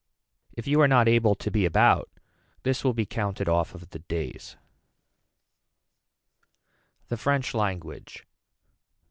If you are not able to be about this will be counted off of the days. The french language.